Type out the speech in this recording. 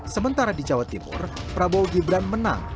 sementara di jawa timur prabowo gibran menang